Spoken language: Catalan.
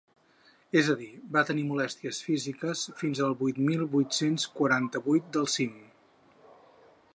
És a dir, va tenir molèsties físiques fins als vuit mil vuit-cents quaranta-vuit del cim.